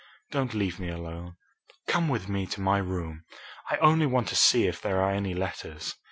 Don't leave me alone. Come with me to my room. I only want to see if there are any letters.